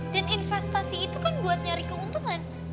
dan investasi itu kan buat nyari keuntungan